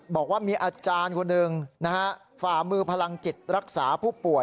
บอกว่ามีอาจารย์คนหนึ่งนะฮะฝ่ามือพลังจิตรักษาผู้ป่วย